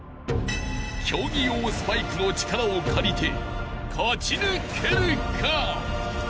［競技用スパイクの力を借りて勝ち抜けるか！？］